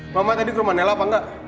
bapak tadi ke rumah nela apa enggak